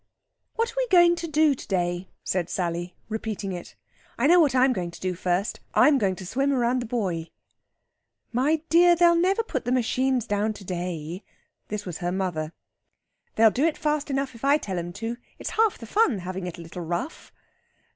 "What are we going to do to day?" said Sally, repeating it. "I know what I'm going to do first. I'm going to swim round the buoy." "My dear, they'll never put the machines down to day." This was her mother. "They'll do it fast enough, if I tell 'em to. It's half the fun, having it a little rough."